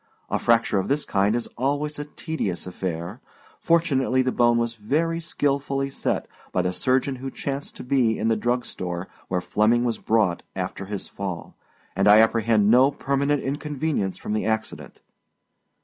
A fracture of this kind is always a tedious affair. Fortunately the bone was very skilfully set by the surgeon who chanced to be in the drugstore where Flemming was brought after his fall, and I apprehend no permanent inconvenience from the accident.